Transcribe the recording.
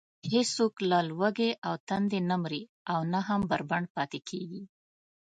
هېڅوک له لوږې و تندې نه مري او نه هم بربنډ پاتې کېږي.